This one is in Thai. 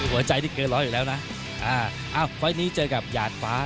หัวใจนี่เกินร้อยอยู่แล้วนะอ่าอ้าวไฟล์นี้เจอกับหยาดฟ้า